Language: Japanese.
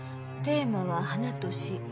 テーマは花と死。